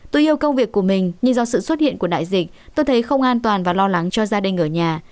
tôi yêu công việc của mình nhưng do sự xuất hiện của đại dịch tôi thấy không an toàn và lo lắng cho gia đình ở nhà